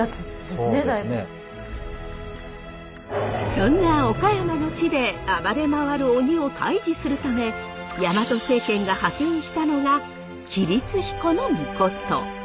そんな岡山の地で暴れ回る鬼を退治するためヤマト政権が派遣したのが吉備津彦命。